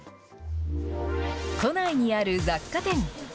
都内にある雑貨店。